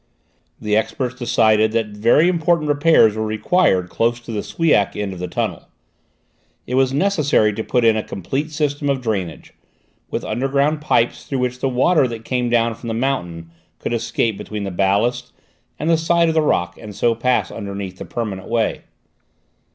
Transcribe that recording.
The experts decided that very important repairs were required close to the Souillac end of the tunnel. It was necessary to put in a complete system of drainage, with underground pipes through which the water that came down from the mountain could escape between the ballast and the side of the rock and so pass underneath the permanent way.